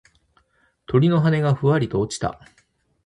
鳥の羽がふわりと落ちた。